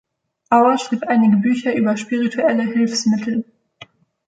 Auer schrieb einige Bücher über spirituelle Hilfsmittel.